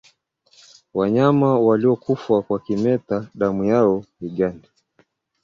Wanyama waliokufa kwa kimeta damu yao haigandi